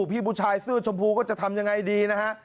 พี่ผู้ชายเสื้อชมพูก็จะทำยังไงดีนะฮะ